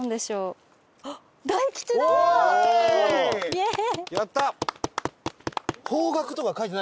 イエーイ！